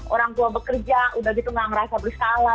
orang tua bekerja udah gitu gak ngerasa bersalah